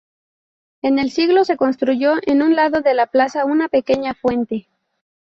El el siglo se construyó en un lado de la plaza una pequeña fuente.